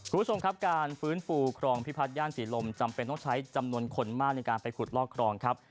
คุณผู้ชมครับการฟื้นฟูครองพิพัฒนย่านศรีลมจำเป็นต้องใช้จำนวนคนมากในการไปขุดลอกครองครับ